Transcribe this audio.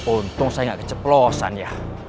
untung saya nggak keceplosan ya